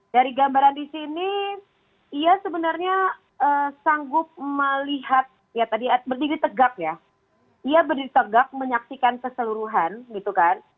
dari gambaran di sini ia sebenarnya sanggup melihat ya tadi berdiri tegak ya ia berdiri tegak menyaksikan keseluruhan gitu kan